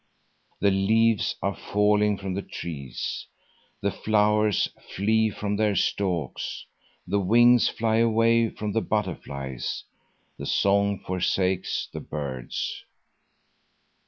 The leaves are falling from the trees; the flowers flee from their stalks; the wings fly away from the butterflies; the song forsakes the birds.